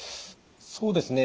そうですね